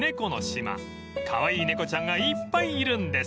［カワイイ猫ちゃんがいっぱいいるんです］